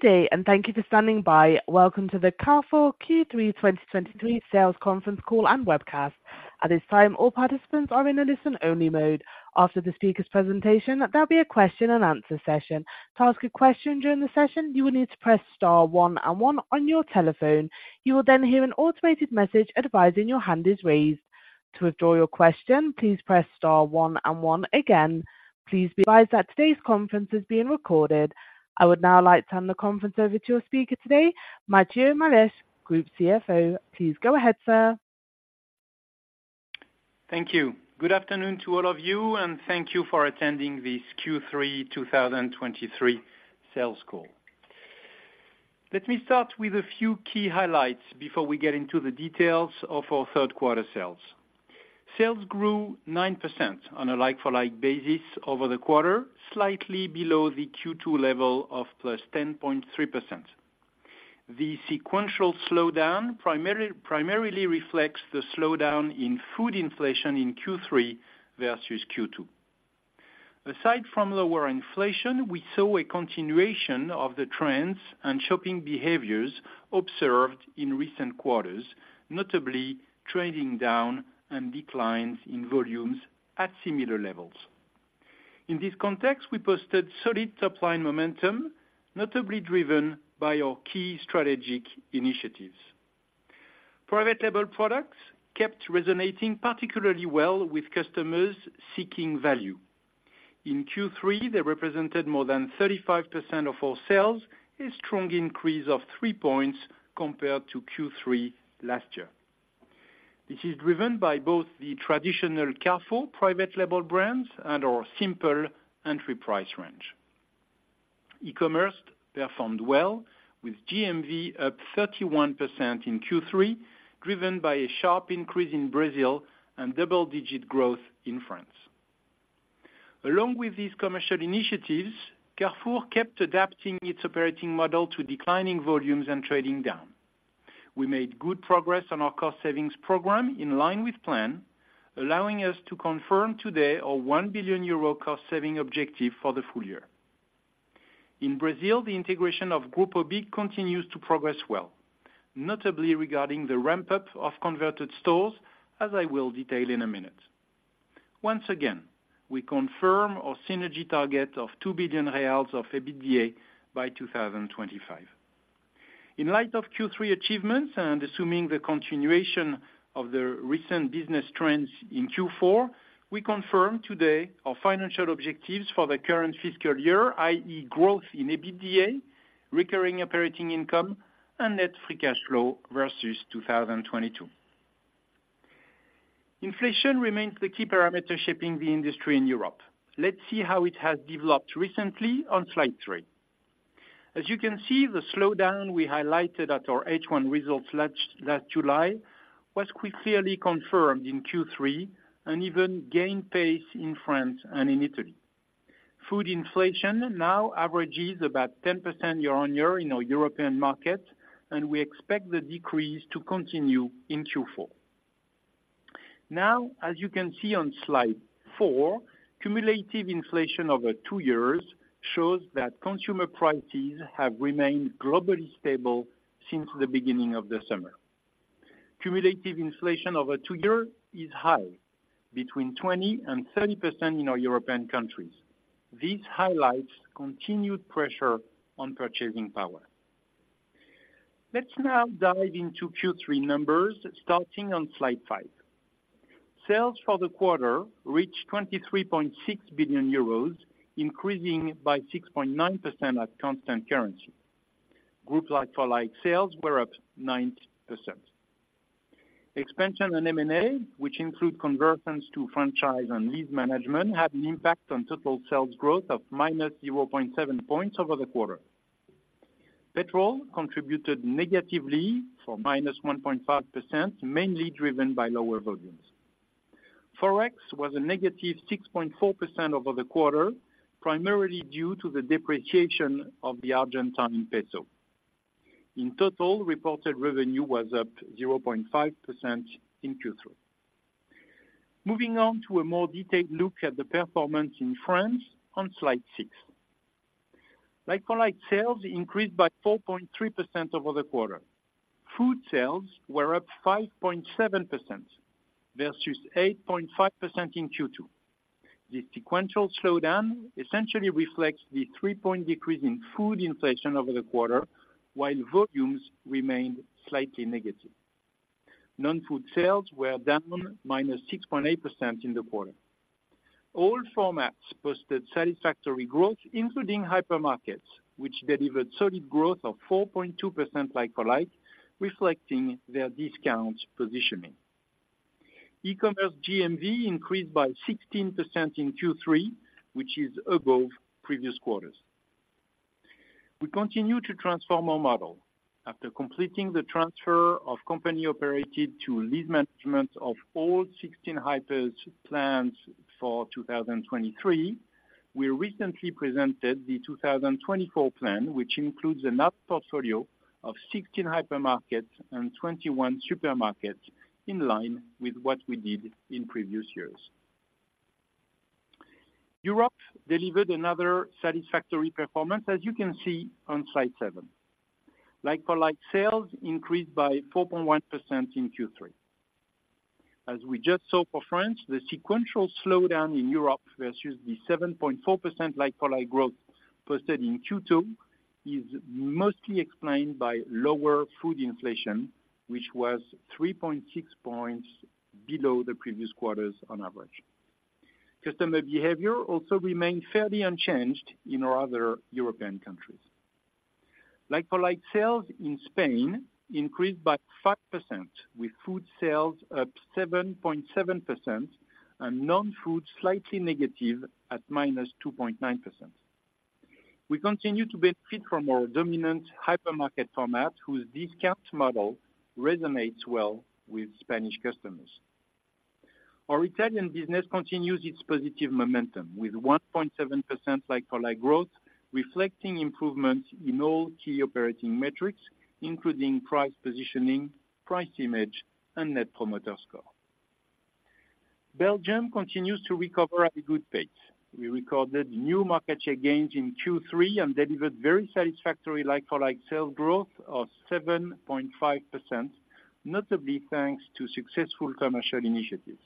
Good day, and thank you for standing by. Welcome to the Carrefour Q3 2023 Sales Conference Call and Webcast. At this time, all participants are in a listen-only mode. After the speaker's presentation, there'll be a question and answer session. To ask a question during the session, you will need to press star one and one on your telephone. You will then hear an automated message advising your hand is raised. To withdraw your question, please press star one and one again. Please be advised that today's conference is being recorded. I would now like to turn the conference over to your speaker today, Matthieu Malige, Group CFO. Please go ahead, sir. Thank you. Good afternoon to all of you, and thank you for attending this Q3 2023 sales call. Let me start with a few key highlights before we get into the details of our third quarter sales. Sales grew 9% on a basis over the quarter, slightly below the Q2 level of +10.3%. The sequential slowdown primarily reflects the slowdown in food inflation in Q3 versus Q2. Aside from lower inflation, we saw a continuation of the trends and shopping behaviors observed in recent quarters, notably trading down and declines in volumes at similar levels. In this context, we posted solid top line momentum, notably driven by our key strategic initiatives. Private label products kept resonating particularly well with customers seeking value. In Q3, they represented more than 35% of our sales, a strong increase of three points compared to Q3 last year. This is driven by both the traditional Carrefour private label brands and our Simpl' entry price range. E-commerce performed well, with GMV up 31% in Q3, driven by a sharp increase in Brazil and double-digit growth in France. Along with these commercial initiatives, Carrefour kept adapting its operating model to declining volumes and trading down. We made good progress on our cost savings program in line with plan, allowing us to confirm today our 1 billion euro cost-saving objective for the full year. In Brazil, the integration of Grupo BIG continues to progress well, notably regarding the ramp-up of converted stores, as I will detail in a minute. Once again, we confirm our synergy target of 2 billion reais of EBITDA by 2025. In light of Q3 achievements and assuming the continuation of the recent business trends in Q4, we confirm today our financial objectives for the current fiscal year, i.e., growth in EBITDA, recurring operating income and net free cash flow versus 2022. Inflation remains the key parameter shaping the industry in Europe. Let's see how it has developed recently on slide three. As you can see, the slowdown we highlighted at our H1 results last July was clearly confirmed in Q3 and even gained pace in France and in Italy. Food inflation now averages about 10% year-over-year in our European markets, and we expect the decrease to continue in Q4. Now, as you can see on slide four, cumulative inflation over two years shows that consumer prices have remained globally stable since the beginning of the summer. Cumulative inflation over two years is high, between 20% and 30% in our European countries. This highlights continued pressure on purchasing power. Let's now dive into Q3 numbers, starting on slide five. Sales for the quarter reached 23.6 billion euros, increasing by 6.9% at constant currency. Group like-for-like sales were up 9%. Expansion and M&A, which include conversions to franchise and lease management, had an impact on total sales growth of -0.7 points over the quarter. Petrol contributed negatively for -1.5%, mainly driven by lower volumes. Forex was a -6.4% over the quarter, primarily due to the depreciation of the Argentine peso. In total, reported revenue was up 0.5% in Q3. Moving on to a more detailed look at the performance in France on slide six. Like-for-like sales increased by 4.3% over the quarter. Food sales were up 5.7% versus 8.5% in Q2. The sequential slowdown essentially reflects the three-point decrease in food inflation over the quarter, while volumes remained slightly negative. Non-food sales were down -6.8% in the quarter. All formats posted satisfactory growth, including hypermarkets, which delivered solid growth of 4.2% like-for-like, reflecting their discount positioning. E-commerce GMV increased by 16% in Q3, which is above previous quarters. We continue to transform our model. After completing the transfer of company-operated to lease management of all 16 hypers plans for 2023, we recently presented the 2024 plan, which includes a net portfolio of 16 hypermarkets and 21 supermarkets in line with what we did in previous years.... Europe delivered another satisfactory performance, as you can see on slide seven. Like-for-like Sales increased by 4.1% in Q3. As we just saw for France, the sequential slowdown in Europe versus the 7.4% like-for-like growth posted in Q2, is mostly explained by lower food inflation, which was 3.6 points below the previous quarters on average. Customer behavior also remained fairly unchanged in our other European countries. Like-for-like Sales in Spain increased by 5%, with food sales up 7.7% and non-food slightly negative at -2.9%. We continue to benefit from our dominant hypermarket format, whose discount model resonates well with Spanish customers. Our Italian business continues its positive momentum, with 1.7% like-for-like growth, reflecting improvements in all key operating metrics, including price positioning, price image, and Net Promoter Score. Belgium continues to recover at a good pace. We recorded new market share gains in Q3 and delivered very satisfactory like-for-like sales growth of 7.5%, notably thanks to successful commercial initiatives.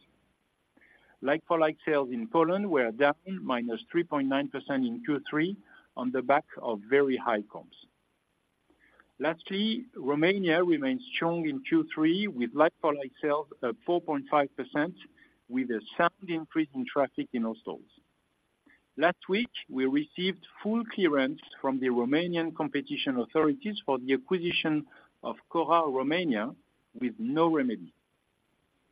like-for-like sales in Poland were down -3.9% in Q3 on the back of very high comps. Lastly, Romania remains strong in Q3, with like-for-like sales at 4.5%, with a sound increase in traffic in our stores. Last week, we received full clearance from the Romanian competition authorities for the acquisition of Cora Romania with no remedy.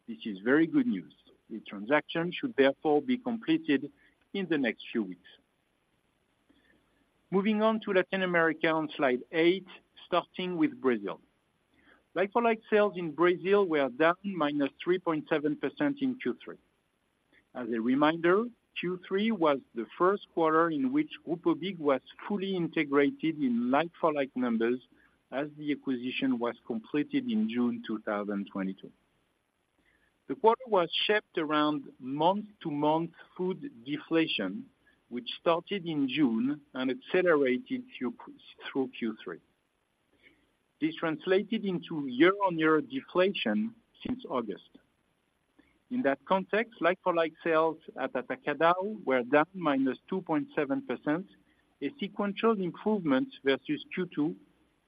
This is very good news. The transaction should therefore be completed in the next few weeks. Moving on to Latin America on slide eight, starting with Brazil. Like-for-like sales in Brazil were down -3.7% in Q3. As a reminder, Q3 was the first quarter in which Grupo BIG was fully integrated in like-for-like numbers, as the acquisition was completed in June 2022. The quarter was shaped around month-to-month food deflation, which started in June and accelerated through Q3. This translated into year-on-year deflation since August. In that context, like-for-like sales at Atacadão were down -2.7%, a sequential improvement versus Q2,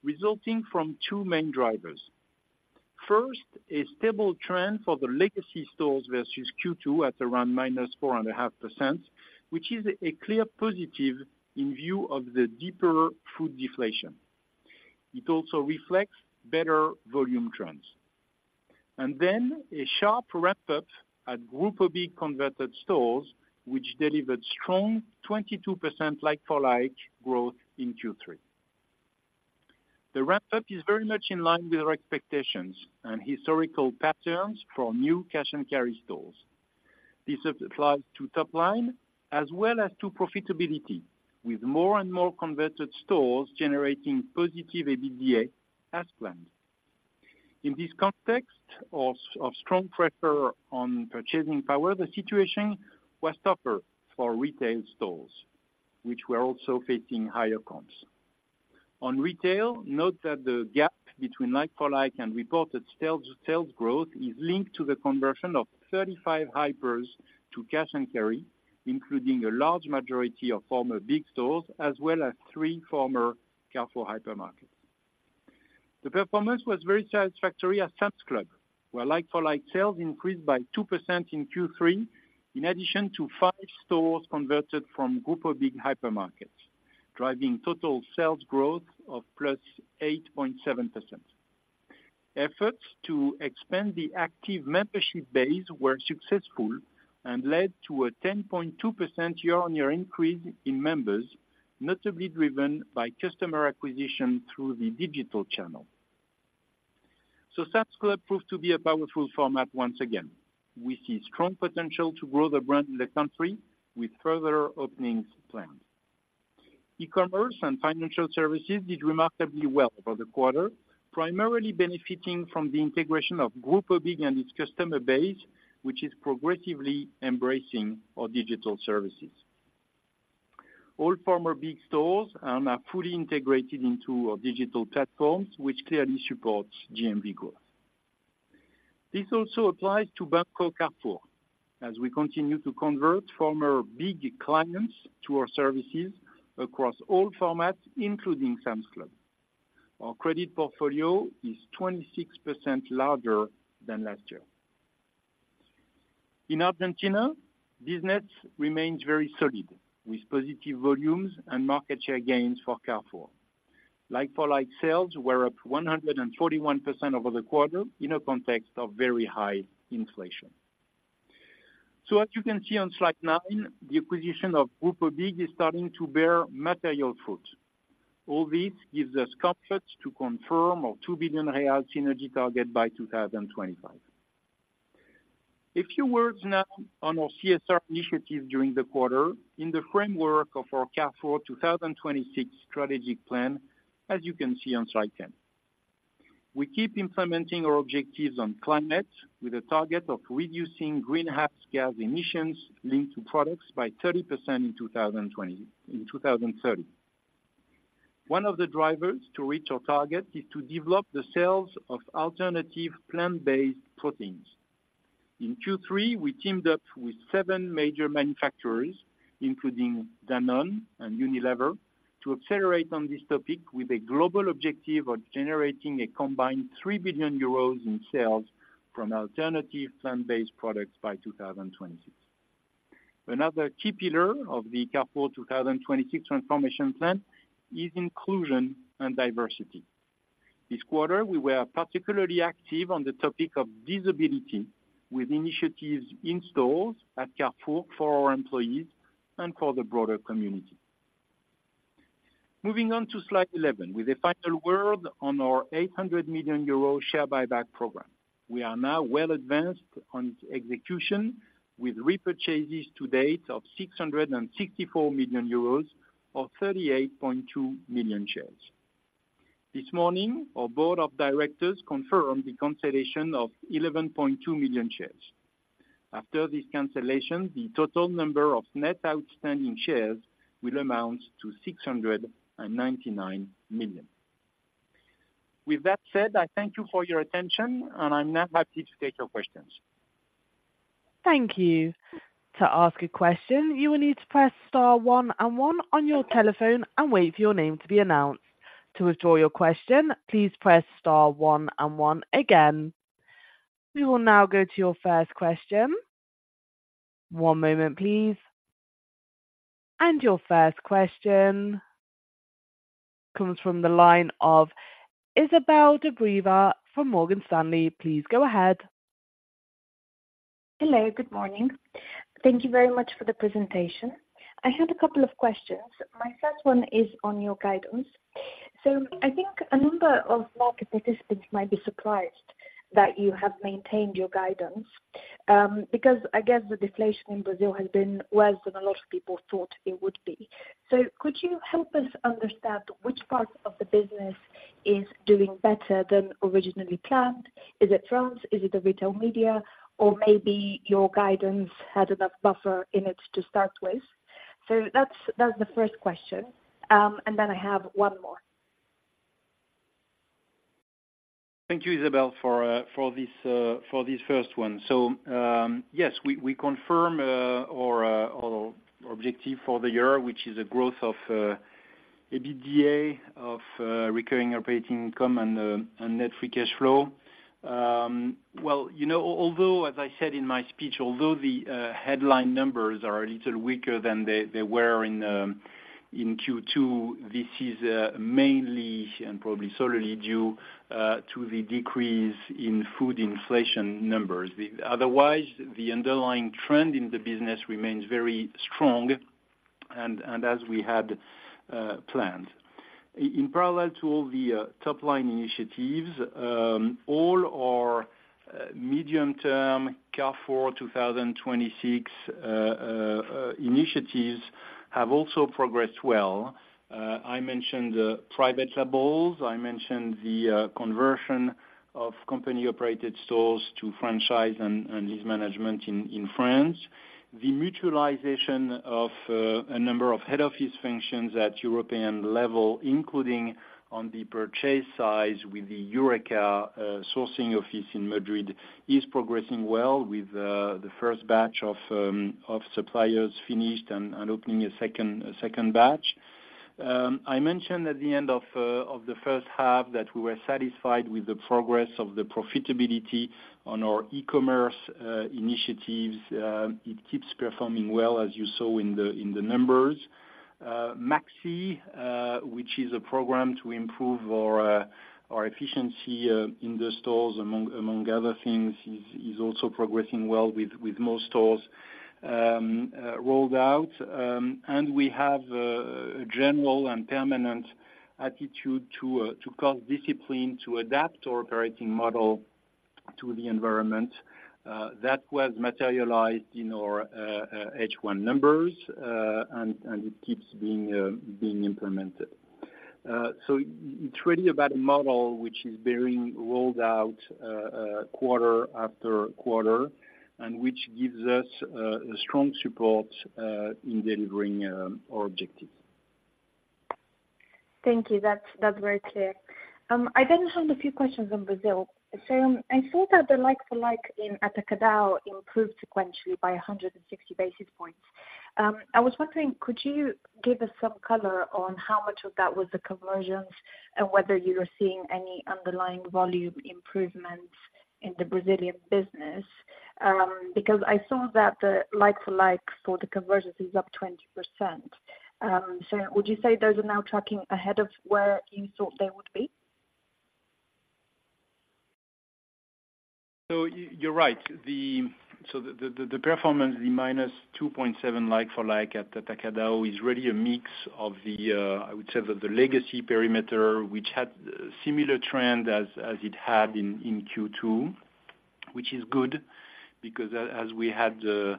resulting from two main drivers. First, a stable trend for the legacy stores versus Q2, at around -4.5%, which is a clear positive in view of the deeper food deflation. It also reflects better volume trends. And then, a sharp ramp-up at Grupo BIG converted stores, which delivered strong 22% like-for-like growth in Q3. The ramp-up is very much in line with our expectations and historical patterns for new cash and carry stores. This applies to top line as well as to profitability, with more and more converted stores generating positive EBITDA as planned. In this context of strong pressure on purchasing power, the situation was tougher for retail stores, which were also facing higher comps. On retail, note that the gap between like-for-like and reported sales growth is linked to the conversion of 35 hypers to cash and carry, including a large majority of former BIG stores, as well as three former Carrefour hypermarkets. The performance was very satisfactory at Sam's Club, where like-for-like sales increased by 2% in Q3, in addition to five stores converted from Grupo BIG hypermarkets, driving total sales growth of +8.7%. Efforts to expand the active membership base were successful and led to a 10.2% year-on-year increase in members, notably driven by customer acquisition through the digital channel. So Sam's Club proved to be a powerful format once again. We see strong potential to grow the brand in the country with further openings planned. E-commerce and financial services did remarkably well over the quarter, primarily benefiting from the integration of Grupo BIG and its customer base, which is progressively embracing our digital services. All former BIG stores are fully integrated into our digital platforms, which clearly supports GMV growth. This also applies to Banco Carrefour, as we continue to convert former BIG clients to our services across all formats, including Sam's Club. Our credit portfolio is 26% larger than last year. In Argentina, business remains very solid, with positive volumes and market share gains for Carrefour. Like-for-like sales were up 141% over the quarter in a context of very high inflation. So as you can see on slide nine, the acquisition of Grupo BIG is starting to bear material fruit. All this gives us comfort to confirm our 2 billion real synergy target by 2025. A few words now on our CSR initiative during the quarter in the framework of our Carrefour 2026 strategic plan, as you can see on slide 10. We keep implementing our objectives on climate with a target of reducing greenhouse gas emissions linked to products by 30% in 2020, in 2030. One of the drivers to reach our target is to develop the sales of alternative plant-based proteins. In Q3, we teamed up with seven major manufacturers, including Danone and Unilever, to accelerate on this topic with a global objective of generating a combined 3 billion euros in sales from alternative plant-based products by 2026. Another key pillar of the Carrefour 2026 transformation plan is inclusion and diversity. This quarter, we were particularly active on the topic of disability, with initiatives in stores at Carrefour for our employees and for the broader community. Moving on to slide 11, with a final word on our 800 million euro share buyback program. We are now well advanced on its execution, with repurchases to date of 664 million euros or 38.2 million shares. This morning, our board of directors confirmed the cancellation of 11.2 million shares. After this cancellation, the total number of net outstanding shares will amount to 699 million. With that said, I thank you for your attention, and I'm now happy to take your questions. Thank you. To ask a question, you will need to press star one and one on your telephone and wait for your name to be announced. To withdraw your question, please press star one and one again. We will now go to your first question. One moment, please. Your first question comes from the line of Izabel Dobreva from Morgan Stanley. Please go ahead. Hello, good morning. Thank you very much for the presentation. I had a couple of questions. My first one is on your guidance. So I think a number of market participants might be surprised that you have maintained your guidance, because I guess the deflation in Brazil has been worse than a lot of people thought it would be. So could you help us understand which part of the business is doing better than originally planned? Is it France? Is it the retail media? Or maybe your guidance had enough buffer in it to start with? So that's, that's the first question, and then I have one more. Thank you, Izabel, for this first one. So, yes, we confirm our objective for the year, which is a grow-th of EBITDA of recurring operating income and net free cash flow. Well, you know, although, as I said in my speech, although the headline numbers are a little weaker than they were in Q2, this is mainly and probably solely due to the decrease in food inflation numbers. Otherwise, the underlying trend in the business remains very strong and as we had planned. In parallel to all the top-line initiatives, all our medium-term Carrefour 2026 initiatives have also progressed well. I mentioned the private labels, I mentioned the conversion of company-operated stores to franchise and lease management in France. The mutualization of a number of head office functions at European level, including on the purchase side with the Eureca sourcing office in Madrid, is progressing well with the first batch of suppliers finished and opening a second batch. I mentioned at the end of the first half that we were satisfied with the progress of the profitability on our e-commerce initiatives. It keeps performing well, as you saw in the numbers. Maxi, which is a program to improve our efficiency in the stores, among other things, is also progressing well with more stores rolled out. We have a general and permanent attitude to cut discipline, to adapt our operating model to the environment, that was materialized in our H1 numbers, and it keeps being implemented. So it's really about a model which is being rolled out quarter after quarter, and which gives us a strong support in delivering our objectives. Thank you. That's, that's very clear. I then have a few questions on Brazil. So I saw that the like-for-like in Atacadão improved sequentially by 160 basis points. I was wondering, could you give us some color on how much of that was the conversions and whether you are seeing any underlying volume improvements in the Brazilian business? Because I saw that the like-for-like for the conversions is up 20%. So would you say those are now tracking ahead of where you thought they would be? So you're right. The... So the performance, the -2.7 like-for-like at Atacadão, is really a mix of the, I would say, the legacy perimeter, which had similar trend as it had in Q2... which is good, because as we had the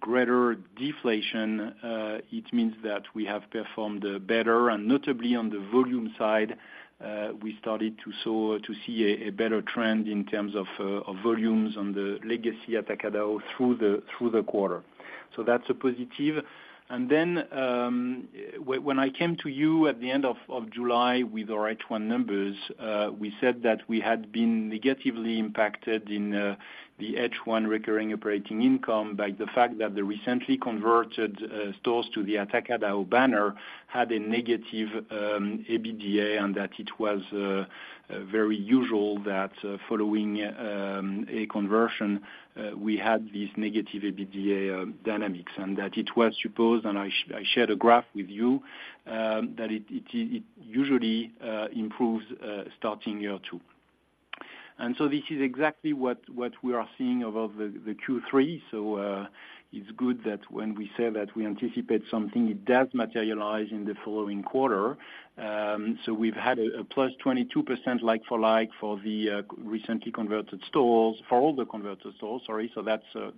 greater deflation, it means that we have performed better and notably on the volume side, we started to see a better trend in terms of volumes on the legacy Atacadão through the quarter. So that's a positive. And then, when I came to you at the end of July with our H1 numbers, we said that we had been negatively impacted in the H1 recurring operating income by the fact that the recently converted stores to the Atacadão banner had a negative EBITDA, and that it was very usual that following a conversion we had these negative EBITDA dynamics. And that it was supposed, and I shared a graph with you that it usually improves starting year two. And so this is exactly what we are seeing above the Q3. So it's good that when we say that we anticipate something, it does materialize in the following quarter. So we've had a +22% like-for-like, for the recently converted stores, for all the converted stores, sorry. So that's a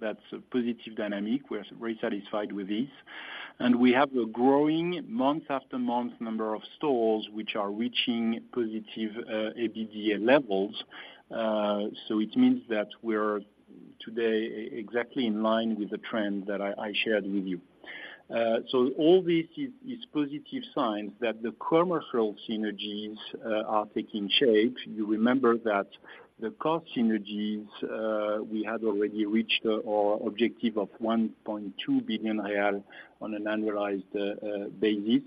positive dynamic. We're very satisfied with this. And we have a growing month after month number of stores which are reaching positive EBITDA levels. So it means that we're today exactly in line with the trend that I shared with you. So all this is positive signs that the commercial synergies are taking shape. You remember that the cost synergies we had already reached our objective of 1.2 billion real on an annualized basis,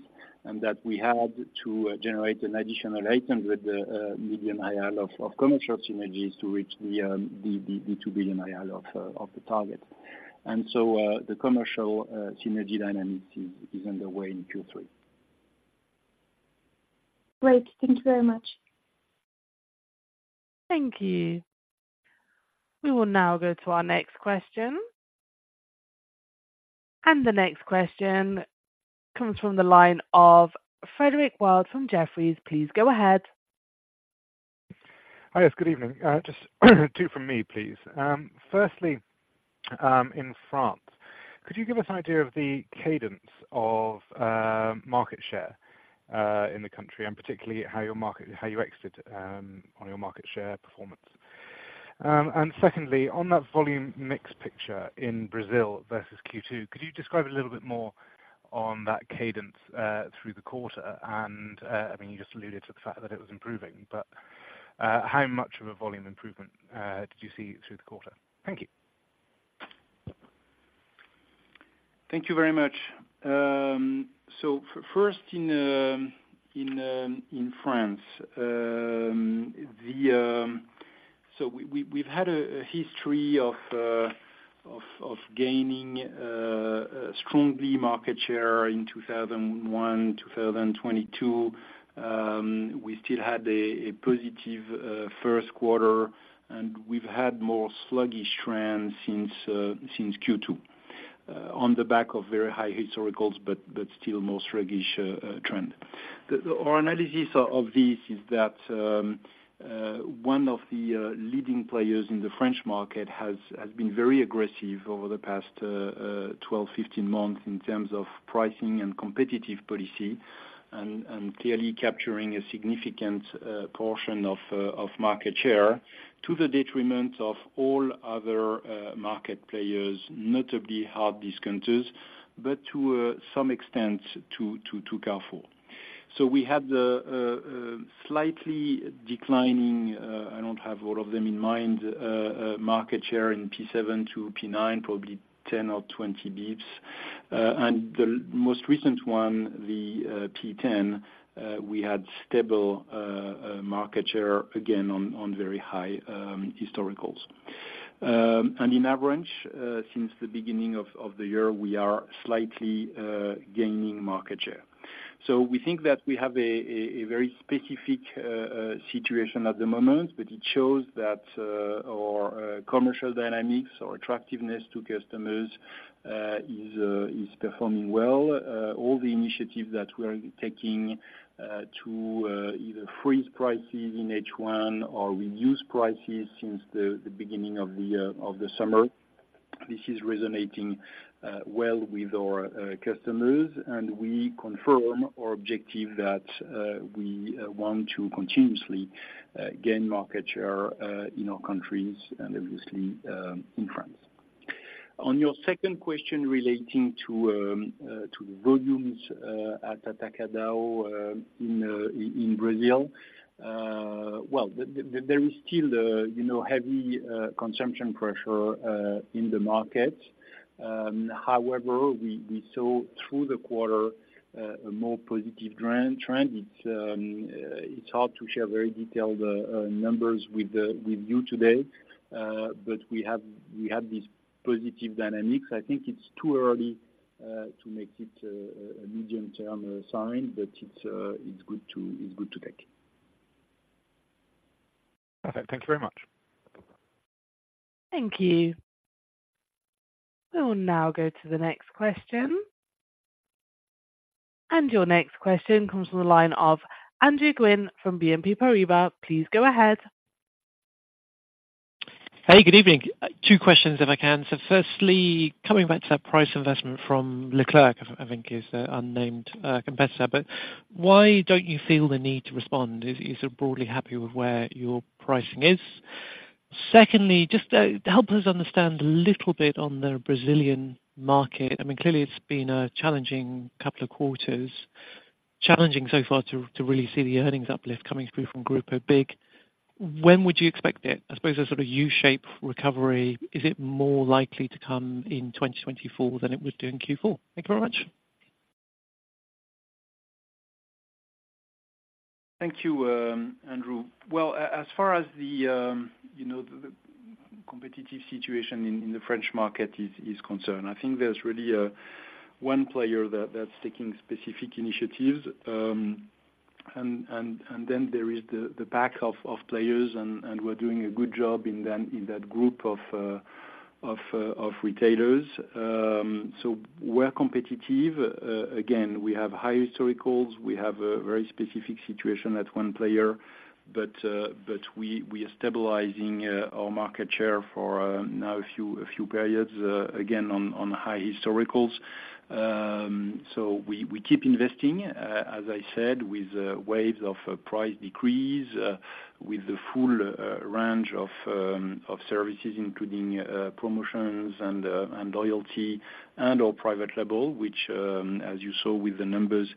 and that we had to generate an additional item with BRL 1 billion of commercial synergies to reach the 2 billion of the target. The commercial synergy dynamics is underway in Q3. Great. Thank you very much. Thank you. We will now go to our next question. The next question comes from the line of Frederick Wild, from Jefferies. Please go ahead. Hi, yes, good evening. Just two from me, please. Firstly, in France, could you give us an idea of the cadence of market share in the country, and particularly how your market, how you exited on your market share performance? And secondly, on that volume mix picture in Brazil versus Q2, could you describe a little bit more on that cadence through the quarter? And, I mean, you just alluded to the fact that it was improving, but how much of a volume improvement did you see through the quarter? Thank you. Thank you very much. So first, in France, the. So we, we've had a history of gaining strongly market share in 2021, 2022. We still had a positive first quarter, and we've had more sluggish trends since Q2. On the back of very high historicals, but still more sluggish trend. Our analysis of this is that one of the leading players in the French market has been very aggressive over the past 12, 15 months, in terms of pricing and competitive policy. Clearly capturing a significant portion of market share, to the detriment of all other market players, notably hard discounters, but to some extent, to Carrefour. So we had the slightly declining, I don't have all of them in mind, market share in P7 to P9, probably 10 or 20 basis points. And the most recent one, the P10, we had stable market share, again, on very high historicals. And in average, since the beginning of the year, we are slightly gaining market share. So we think that we have a very specific situation at the moment, but it shows that our commercial dynamics or attractiveness to customers is performing well. All the initiatives that we are taking to either freeze prices in H1 or reduce prices since the beginning of the summer, this is resonating well with our customers. We confirm our objective that we want to continuously gain market share in our countries and obviously in France. On your second question relating to the volumes at Atacadão in Brazil. Well, there is still the, you know, heavy consumption pressure in the market. However, we saw through the quarter a more positive trend. It's hard to share very detailed numbers with you today, but we have these positive dynamics. I think it's too early to make it a medium-term sign, but it's good to take. Okay. Thank you very much. Thank you. We will now go to the next question.... Your next question comes from the line of Andrew Gwynn from BNP Paribas. Please go ahead. Hey, good evening. Two questions, if I can. So firstly, coming back to that price investment from Leclerc, I think, is the unnamed competitor, but why don't you feel the need to respond? Is it broadly happy with where your pricing is? Secondly, just help us understand a little bit on the Brazilian market. I mean, clearly it's been a challenging couple of quarters. Challenging so far to really see the earnings uplift coming through from Grupo BIG. When would you expect it? I suppose a sort of U-shape recovery, is it more likely to come in 2024 than it would do in Q4? Thank you very much. Thank you, Andrew. Well, as far as, you know, the competitive situation in the French market is concerned, I think there's really one player that's taking specific initiatives. And then there is the pack of players and we're doing a good job in them, in that group of retailers. So we're competitive. Again, we have high historicals. We have a very specific situation at one player, but we are stabilizing our market share for now a few periods, again, on high historicals. So we keep investing, as I said, with waves of price decrease, with the full range of services, including promotions and loyalty and/or private label, which, as you saw with the numbers,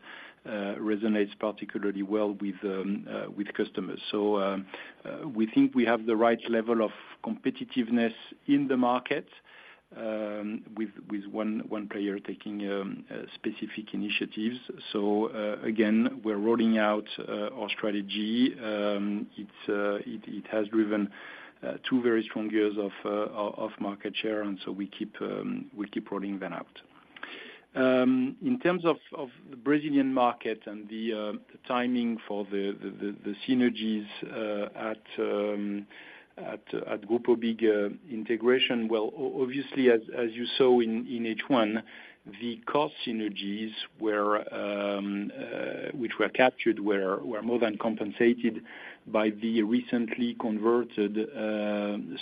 resonates particularly well with customers. So we think we have the right level of competitiveness in the market, with one player taking specific initiatives. So again, we're rolling out our strategy. It has driven two very strong years of market share, and so we keep rolling that out. In terms of the Brazilian market and the timing for the synergies at Grupo BIG integration, well, obviously, as you saw in H1, the cost synergies, which were captured, were more than compensated by the recently converted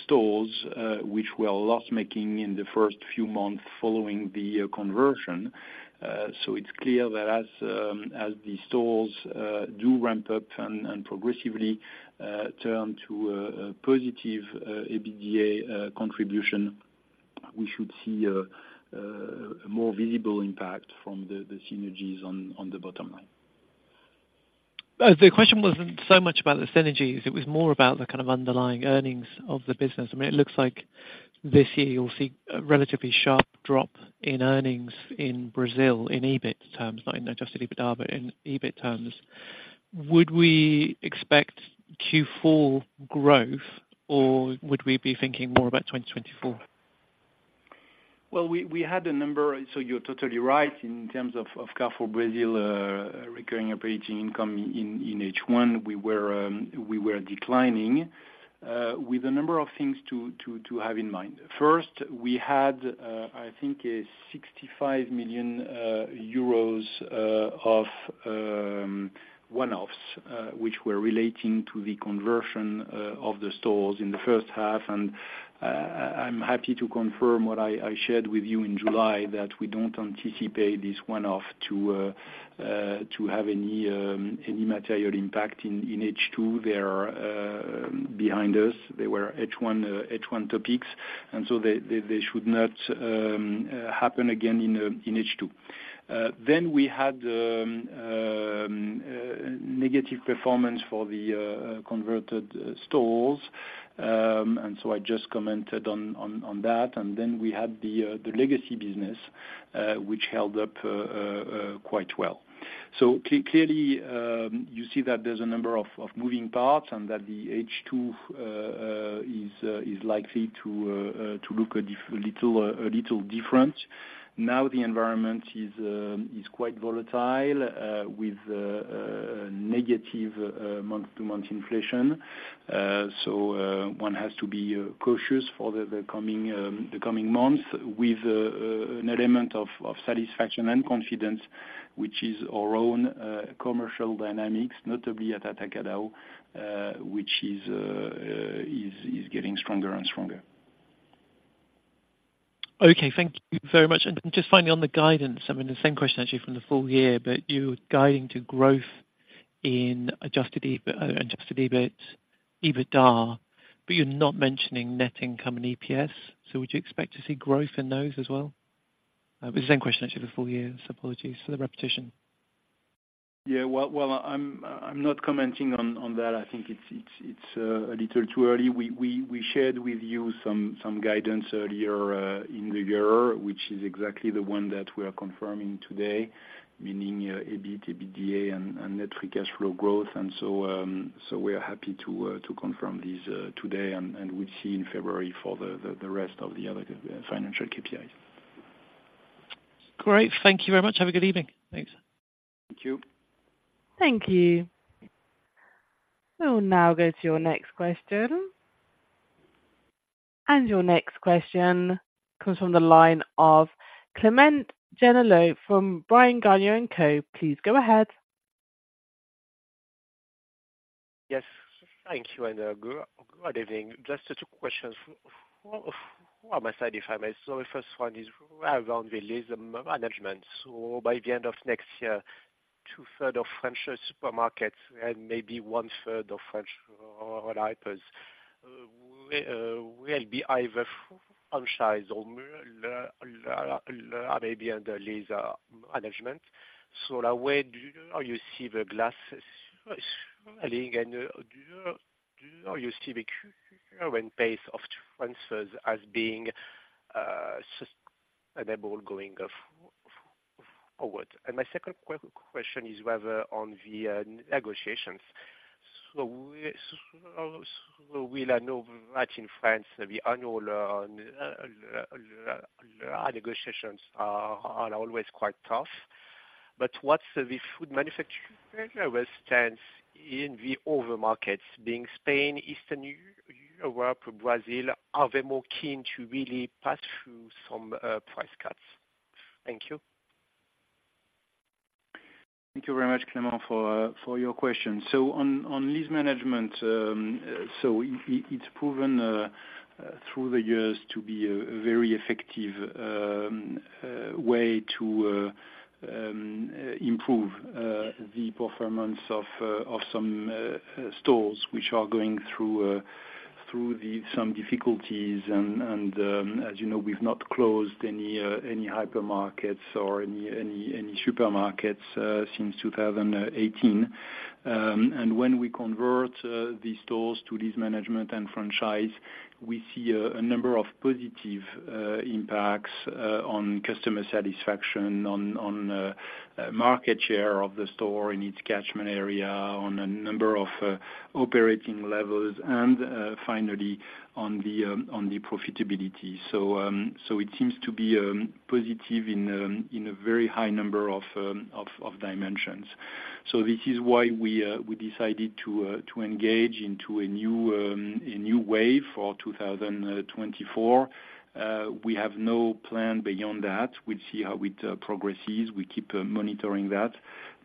stores, which were loss-making in the first few months following the conversion. So it's clear that as the stores do ramp up and progressively turn to a positive EBITDA contribution, we should see a more visible impact from the synergies on the bottom line. The question wasn't so much about the synergies. It was more about the kind of underlying earnings of the business. I mean, it looks like this year you'll see a relatively sharp drop in earnings in Brazil, in EBIT terms, not in adjusted EBITDA, but in EBIT terms. Would we expect Q4 growth, or would we be thinking more about 2024? Well, we had a number, so you're totally right. In terms of Carrefour Brazil, recurring operating income in H1, we were declining, with a number of things to have in mind. First, we had, I think, 65 million euros of one-offs, which were relating to the conversion of the stores in the first half, and I'm happy to confirm what I shared with you in July, that we don't anticipate this one-off to have any material impact in H2. They are behind us. They were H1 topics, and so they should not happen again in H2. Then we had negative performance for the converted stores, and so I just commented on that. Then we had the legacy business, which held up quite well. So clearly, you see that there's a number of moving parts and that the H2 is likely to look a little different. Now the environment is quite volatile with negative month-to-month inflation. So one has to be cautious for the coming months with an element of satisfaction and confidence, which is our own commercial dynamics, notably at Atacadão, which is getting stronger and stronger. Okay, thank you very much. And just finally on the guidance, I mean, the same question actually from the full year, but you're guiding to growth in adjusted EBIT, adjusted EBIT, EBITDA, but you're not mentioning net income and EPS. So would you expect to see growth in those as well? The same question as actually the full year, so apologies for the repetition. Yeah, well, I'm not commenting on that. I think it's a little too early. We shared with you some guidance earlier in the year, which is exactly the one that we are confirming today, meaning EBIT, EBITDA and net free cash flow growth. And so we are happy to confirm this today and we'll see in February for the rest of the other financial KPIs. Great. Thank you very much. Have a good evening. Thanks. Thank you. Thank you. So now go to your next question... And your next question comes from the line of Clément Genelot from Bryan, Garnier & Co. Please go ahead. Yes, thank you, and good evening. Just two questions, four, on my side, if I may. So the first one is around the lease management. So by the end of next year, two-thirds of French supermarkets and maybe one-third of French hypers will be either franchise or lease or maybe under lease management. So where do you see the glass falling, and do you see the current pace of transfers as being sustainable going forward? And my second question is whether on the negotiations. So, so we'll know that in France, the annual lease negotiations are always quite tough. What's the food manufacturer stance in the other markets, being Spain, Eastern Europe, Brazil? Are they more keen to really pass through some price cuts? Thank you. Thank you very much, Clement, for your question. On lease management, it's proven through the years to be a very effective way to improve the performance of some stores which are going through some difficulties. As you know, we've not closed any hypermarkets or any supermarkets since 2018. When we convert these stores to lease management and franchise, we see a number of positive impacts on customer satisfaction, on market share of the store in its catchment area, on a number of operating levels, and finally, on the profitability. So, it seems to be positive in a very high number of dimensions. So this is why we decided to engage into a new way for 2024. We have no plan beyond that. We'll see how it progresses. We keep monitoring that,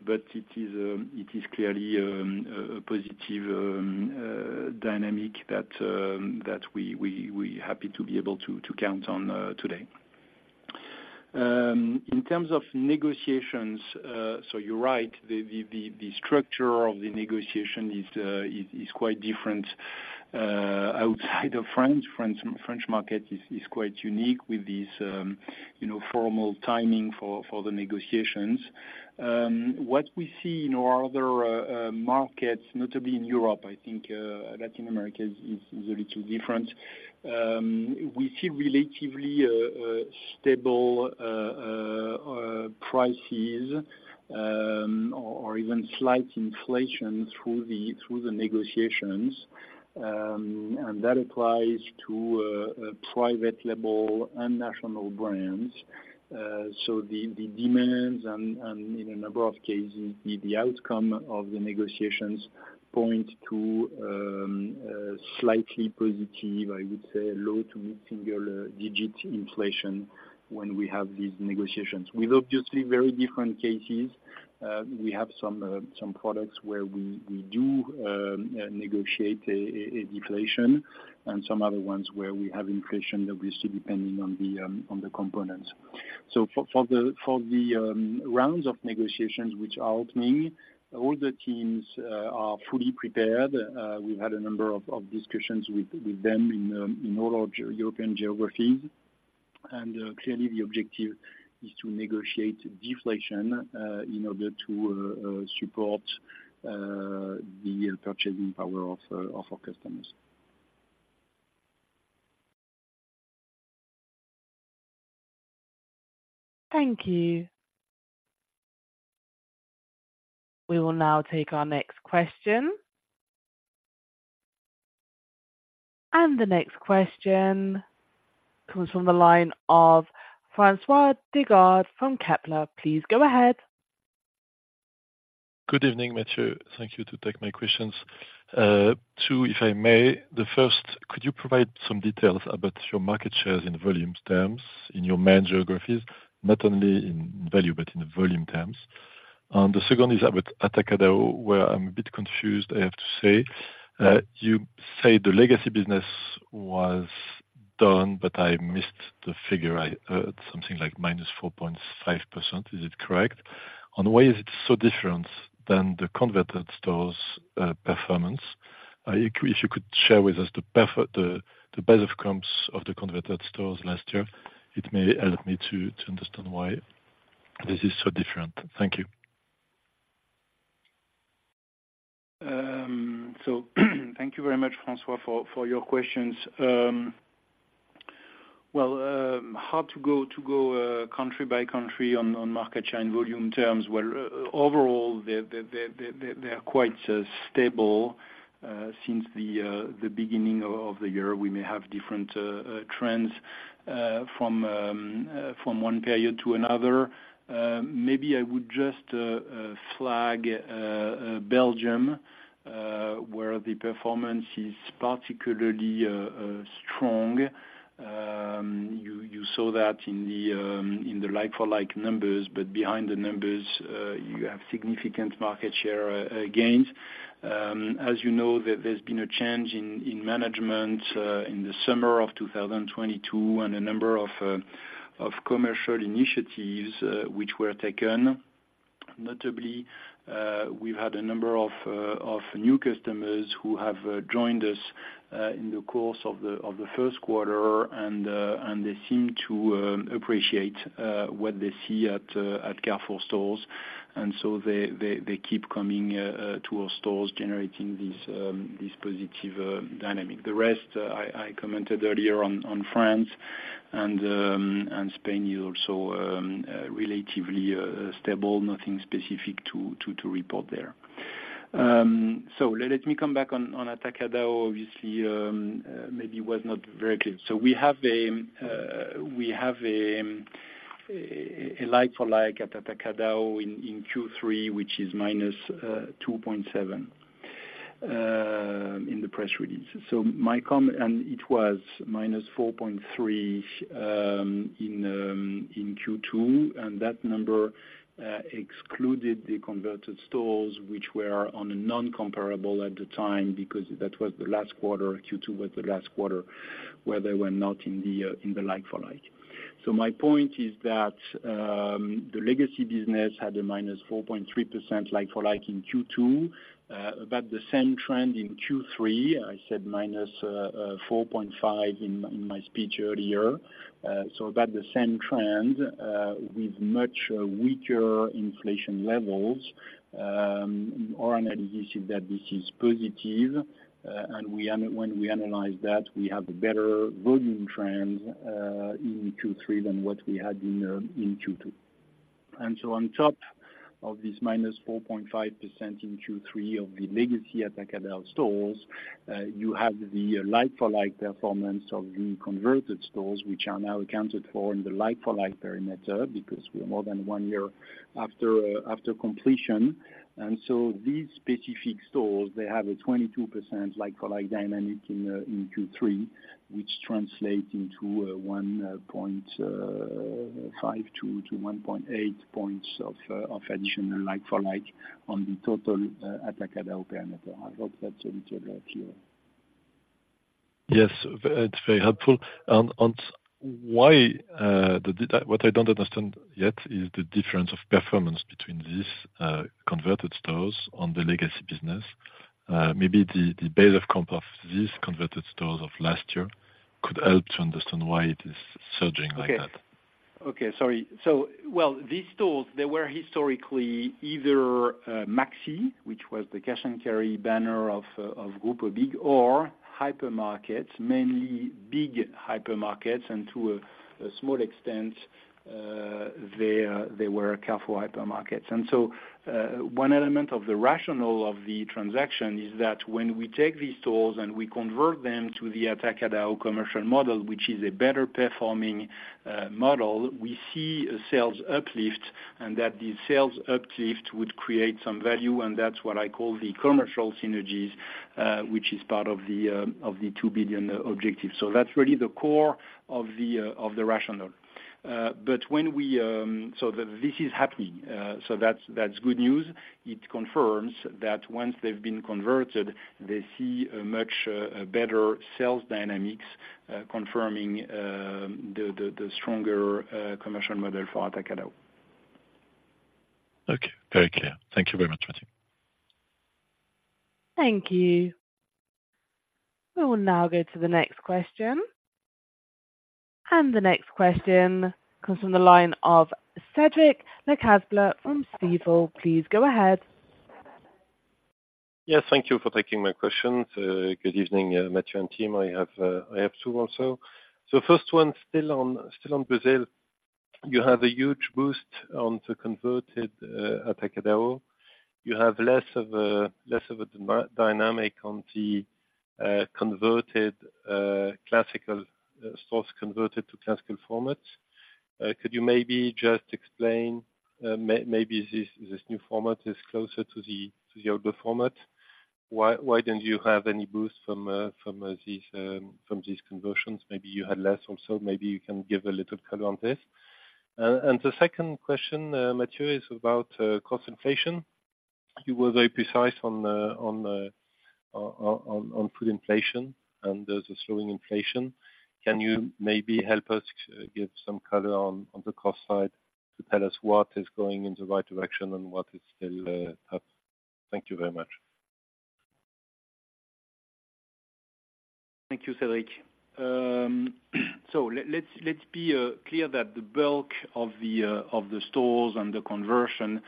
but it is clearly a positive dynamic that we happy to be able to count on today. In terms of negotiations, so you're right, the structure of the negotiation is quite different outside of France. French market is quite unique with this, you know, formal timing for the negotiations. What we see in our other markets, notably in Europe, I think, Latin America is a little different. We see relatively stable prices, or even slight inflation through the negotiations. And that applies to a private label and national brands. So the demands and in a number of cases, the outcome of the negotiations point to slightly positive, I would say low to mid-single digit inflation when we have these negotiations, with obviously very different cases. We have some products where we do negotiate a deflation and some other ones where we have inflation, obviously, depending on the components. So for the rounds of negotiations which are opening, all the teams are fully prepared. We've had a number of discussions with them in all our European geographies. Clearly the objective is to negotiate deflation in order to support the purchasing power of our customers. Thank you. We will now take our next question. The next question comes from the line of François Digard from Kepler. Please go ahead. Good evening, Matthieu. Thank you to take my questions. Two, if I may. The first, could you provide some details about your market shares in volume terms, in your main geographies? Not only in value, but in volume terms. And the second is about Atacadão, where I'm a bit confused, I have to say. You say the legacy business was done, but I missed the figure. I, something like -4.5%, is it correct? And why is it so different than the converted stores performance? If you could share with us the base of comps of the converted stores last year, it may help me to understand why this is so different. Thank you. So, thank you very much, François, for your questions. Well, it's hard to go country by country on market share and volume terms, where overall, they're quite stable since the beginning of the year. We may have different trends from one period to another. Maybe I would just flag Belgium, where the performance is particularly strong. You saw that in the like-for-like numbers, but behind the numbers, you have significant market share gains. As you know, there's been a change in management in the summer of 2022, and a number of commercial initiatives which were taken. Notably, we've had a number of new customers who have joined us in the course of the first quarter, and they seem to appreciate what they see at Carrefour stores. And so they keep coming to our stores, generating these positive dynamic. The rest, I commented earlier on France and Spain is also relatively stable. Nothing specific to report there. So let me come back on Atacadao. Obviously, maybe was not very clear. So we have a like-for-like Atacadao in Q3, which is -2.7 in the press release. So my comment, and it was -4.3 in Q2, and that number excluded the converted stores, which were on a non-comparable at the time, because that was the last quarter. Q2 was the last quarter where they were not in the like-for-like. So my point is that the legacy business had a -4.3% like-for-like in Q2. About the same trend in Q3. I said -4.5 in my speech earlier. So about the same trend with much weaker inflation levels. Our analysis is that this is positive, and when we analyze that, we have a better volume trend in Q3 than what we had in Q2. So on top of this -4.5% in Q3 of the legacy Atacadão stores, you have the like-for-like performance of the converted stores, which are now accounted for in the like-for-like perimeter, because we're more than one year after completion. So these specific stores, they have a 22% like-for-like dynamic in Q3, which translate into 1.52-1.8 points of additional like-for-like on the total Atacadão perimeter. I hope that's a little clearer. Yes, it's very helpful. And why the data... What I don't understand yet is the difference of performance between these converted stores on the legacy business. Maybe the base of comp of these converted stores of last year could help to understand why it is surging like that. Okay. Okay, sorry. So, well, these stores, they were historically either Maxi, which was the cash and carry banner of Grupo BIG, or hypermarkets, mainly big hypermarkets, and to a small extent, they were Carrefour hypermarkets. And so, one element of the rationale of the transaction is that when we take these stores and we convert them to the Atacadão commercial model, which is a better performing model, we see a sales uplift, and that the sales uplift would create some value, and that's what I call the commercial synergies, which is part of the 2 billion objective. So that's really the core of the rationale. But when we... So this is happening, so that's good news. It confirms that once they've been converted, they see a much better sales dynamics, confirming the stronger commercial model for Atacadão. Okay, very clear. Thank you very much, Matthieu. Thank you. We will now go to the next question. And the next question comes from the line of Cédric Lecasble from Stifel. Please go ahead. Yes, thank you for taking my questions. Good evening, Matthieu and team. I have two also. So first one, still on Brazil. You have a huge boost on the converted Atacadão. You have less of a dynamic on the converted classical stores converted to classical format. Could you maybe just explain, maybe this new format is closer to the older format? Why don't you have any boost from these conversions? Maybe you had less also, maybe you can give a little color on this. And the second question, Matthieu, is about cost inflation. You were very precise on food inflation, and there's a slowing inflation. Can you maybe help us, give some color on, on the cost side to tell us what is going in the right direction and what is still, hard? Thank you very much. ...Thank you, Cédric. Let's be clear that the bulk of the stores and the conversion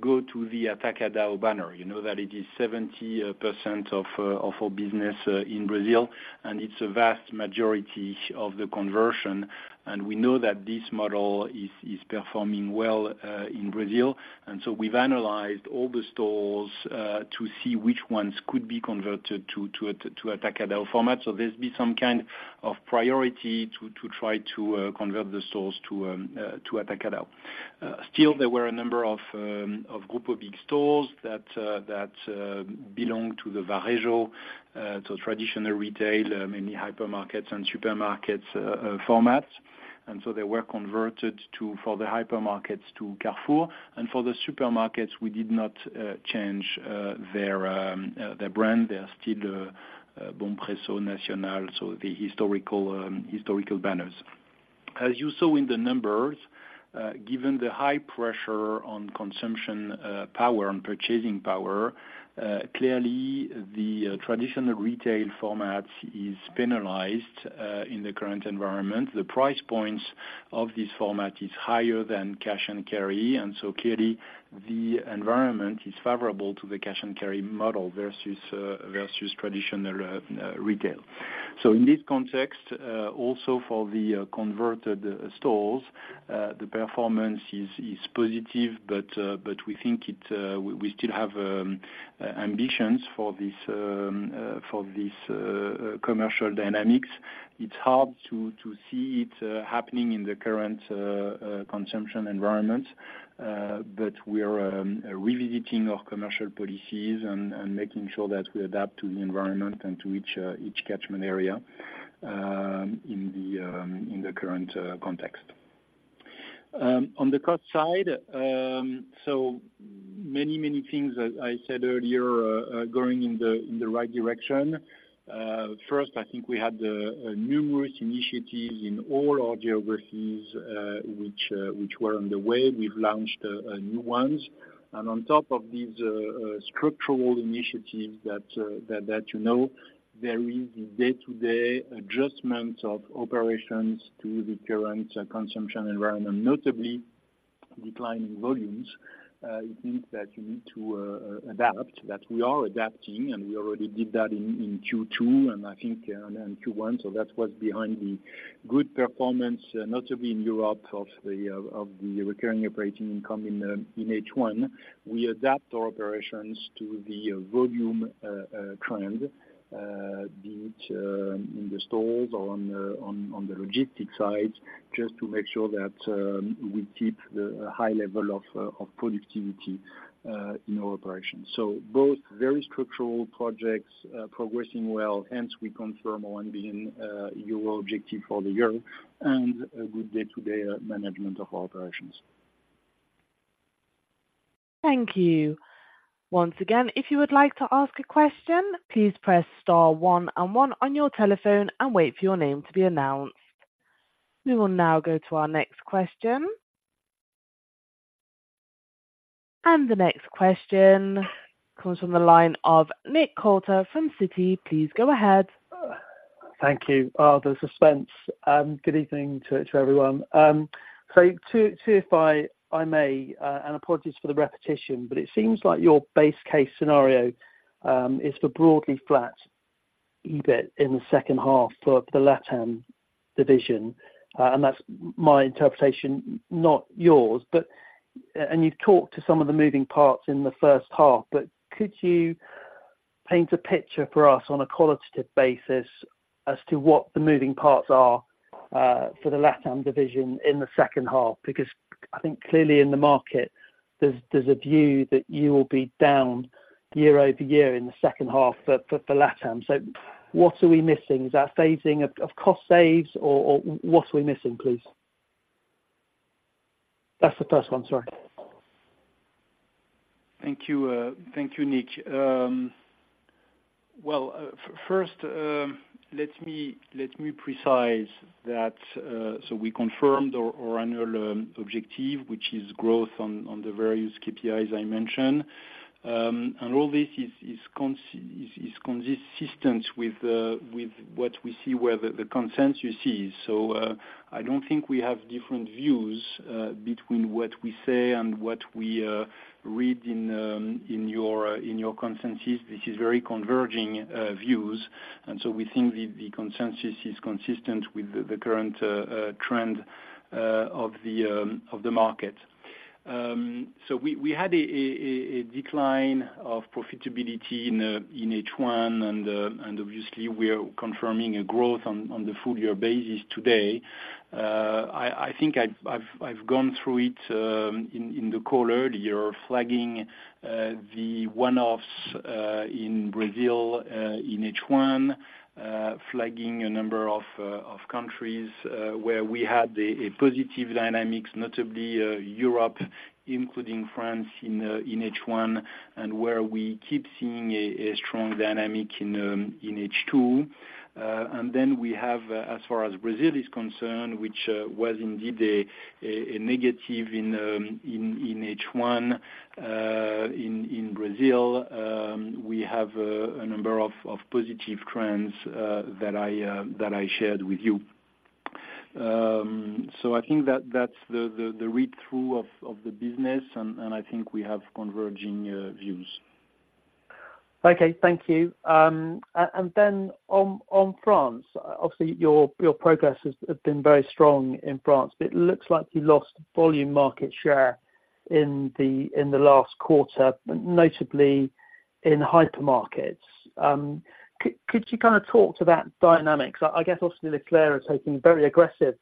go to the Atacadão banner, you know, that it is 70% of our business in Brazil, and it's a vast majority of the conversion. And we know that this model is performing well in Brazil. And so we've analyzed all the stores to see which ones could be converted to Atacadão format. So there's been some kind of priority to try to convert the stores to Atacadão. Still, there were a number of Grupo BIG stores that belong to the Varejo, so traditional retail, mainly hypermarkets and supermarkets formats. So they were converted to, for the hypermarkets to Carrefour, and for the supermarkets, we did not change their brand. They are still Bompreço, Nacional, so the historical banners. As you saw in the numbers, given the high pressure on consumption power and purchasing power, clearly the traditional retail format is penalized in the current environment. The price points of this format is higher than cash and carry, and so clearly, the environment is favorable to the cash and carry model versus traditional retail. So in this context, also for the converted stores, the performance is positive, but we think it we still have ambitions for this commercial dynamics. It's hard to see it happening in the current consumption environment, but we are revisiting our commercial policies and making sure that we adapt to the environment and to each catchment area in the current context. On the cost side, so many things, as I said earlier, going in the right direction. First, I think we had the numerous initiatives in all our geographies, which were on the way. We've launched new ones. And on top of these structural initiatives that you know, there is the day-to-day adjustments of operations to the current consumption environment, and notably declining volumes. It means that you need to adapt, that we are adapting, and we already did that in Q2, and I think in Q1. So that's what's behind the good performance, notably in Europe, of the recurring operating income in H1. We adapt our operations to the volume trend, be it in the stores or on the logistics side, just to make sure that we keep the high level of productivity in our operations. So both very structural projects progressing well, hence we confirm our EUR 1 billion objective for the year and a good day-to-day management of our operations. Thank you. Once again, if you would like to ask a question, please press star one and one on your telephone and wait for your name to be announced. We will now go to our next question. The next question comes from the line of Nick Coulter from Citi. Please go ahead. Thank you. Oh, the suspense! Good evening to everyone. So if I may, and apologies for the repetition, but it seems like your base case scenario is for broadly flat EBIT in the second half for the LatAm division. And that's my interpretation, not yours, but and you've talked to some of the moving parts in the first half, but could you paint a picture for us on a qualitative basis as to what the moving parts are for the LatAm division in the second half? Because I think clearly in the market, there's a view that you will be down year-over-year in the second half for LatAm. So what are we missing? Is that phasing of cost saves or what are we missing, please? That's the first one, sorry. Thank you, thank you, Nick. Well, first, let me precise that, so we confirmed our annual objective, which is growth on the various KPIs I mentioned. And all this is consistent with what we see, where the consensus is. So, I don't think we have different views between what we say and what we read in your consensus. This is very converging views, and so we think the consensus is consistent with the current trend of the market. So we had a decline of profitability in H1, and obviously, we are confirming a growth on the full year basis today. I think I've gone through it in the call earlier, flagging the one-offs in Brazil in H1, flagging a number of countries where we had a positive dynamics, notably Europe, including France, in H1, and where we keep seeing a strong dynamic in H2. And then we have, as far as Brazil is concerned, which was indeed a negative in H1 in Brazil, we have a number of positive trends that I shared with you. So I think that's the read-through of the business, and I think we have converging views. Okay, thank you. And then on France, obviously, your progresses have been very strong in France, but it looks like you lost volume market share in the last quarter, notably in hypermarkets. Could you kind of talk to that dynamics? I guess, also, Leclerc are taking very aggressive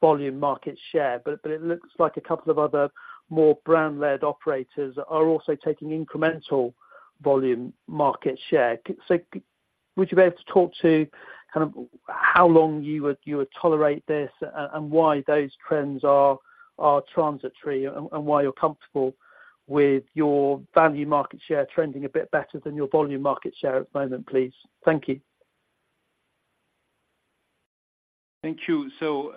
volume market share, but it looks like a couple of other more brand-led operators are also taking incremental volume market share. So would you be able to talk to kind of how long you would tolerate this, and why those trends are transitory, and why you're comfortable with your value market share trending a bit better than your volume market share at the moment, please? Thank you. Thank you. So,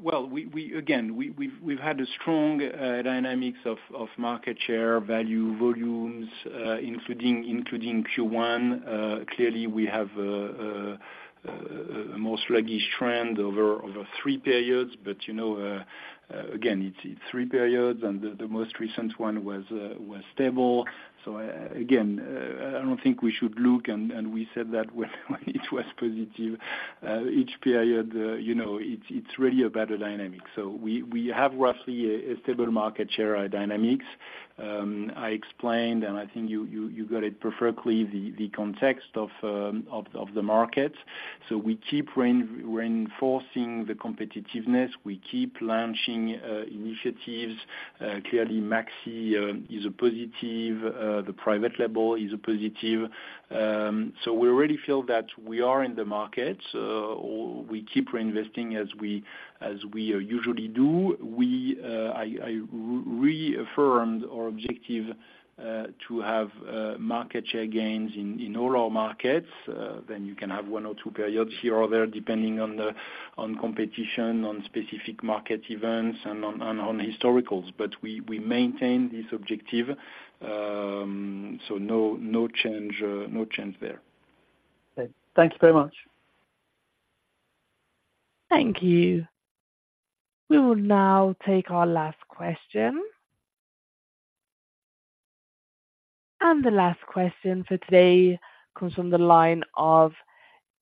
well, we again, we've had a strong dynamics of market share, value, volumes, including Q1. Clearly we have a more sluggish trend over three periods, but, you know, again, it's three periods, and the most recent one was stable. So, again, I don't think we should look, and we said that when it was positive. Each period, you know, it's really a better dynamic. So we have roughly a stable market share dynamics. I explained, and I think you got it perfectly, the context of the market. So we keep reinforcing the competitiveness. We keep launching initiatives. Clearly, Maxi is a positive, the private label is a positive. So we already feel that we are in the market, or we keep reinvesting as we usually do. I reaffirmed our objective to have market share gains in all our markets. Then you can have one or two periods here or there, depending on the competition, on specific market events, and on historicals. But we maintain this objective, so no change, no change there. Thank you very much. Thank you. We will now take our last question. The last question for today comes from the line of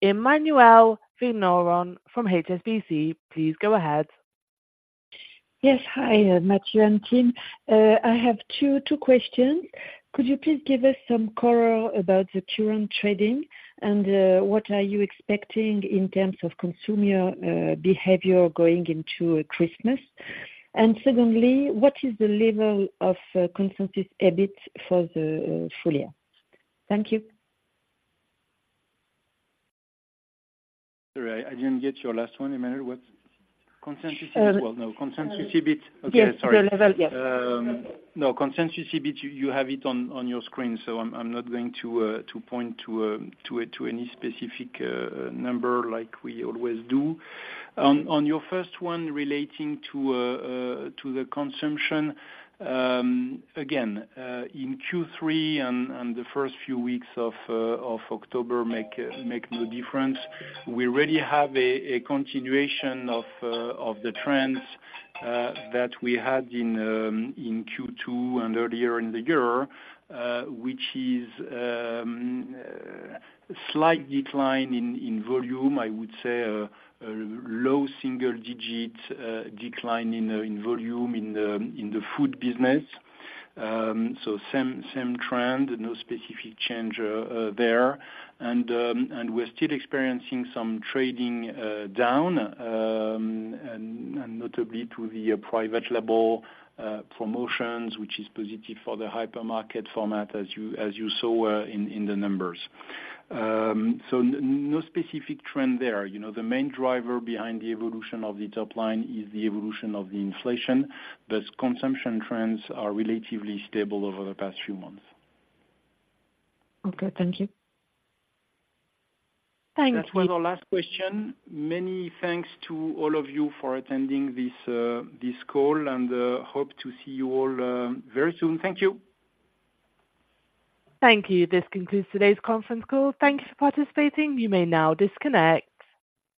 Emmanuelle Vigneron from HSBC. Please go ahead. Yes, hi, Matthieu and team. I have two questions. Could you please give us some color about the current trading, and what are you expecting in terms of consumer behavior going into Christmas? And secondly, what is the level of consensus EBIT for the full year? Thank you. Sorry, I didn't get your last one, Emmanuelle. Consensus is, well, no, consensus EBIT? Yes, the level, yes. No, consensus EBIT, you have it on your screen, so I'm not going to point to any specific number like we always do. On your first one relating to the consumption, again, in Q3 and the first few weeks of October make no difference. We already have a continuation of the trends that we had in Q2 and earlier in the year, which is slight decline in volume. I would say, a low single digit decline in volume in the food business. So same trend, no specific change there. We're still experiencing some trading down, and notably to the private label promotions, which is positive for the hypermarket format as you saw in the numbers. So no specific trend there. You know, the main driver behind the evolution of the top line is the evolution of the inflation, but consumption trends are relatively stable over the past few months. Okay, thank you. Thank you. That was our last question. Many thanks to all of you for attending this call, and hope to see you all very soon. Thank you. Thank you. This concludes today's conference call. Thank you for participating. You may now disconnect.